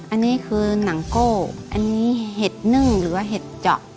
อันนี้คือหนังโก้อันนี้เห็ดนึ่งหรือว่าเห็ดเจาะ